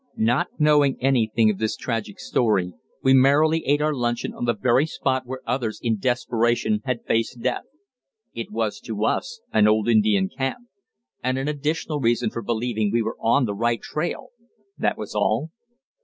Not knowing anything of this tragic story, we merrily ate our luncheon on the very spot where others in desperation had faced death. It was to us an old Indian camp, and an additional reason for believing we were on the right trail, that was all.